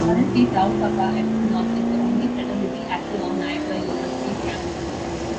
Currently Tau Kappa Epsilon is the only fraternity active on Niagara University's campus.